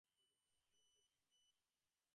কুকুরটা কাকামুচো রক্ষা করছিল।